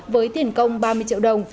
với tiền công ba mươi triệu đồng